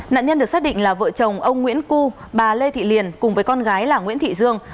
nạn nhân được xác định là vợ chồng ông nguyễn cu bà lê thị liền cùng với con gái là nguyễn thị dương